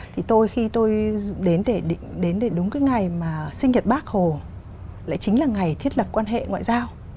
thì tôi khi tôi đến để đến để đúng cái ngày mà sinh nhật bác hồ lại chính là ngày thiết lập quan hệ ngoại giao